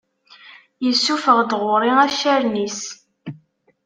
Yessufeɣ-d ɣur-i accaren-is.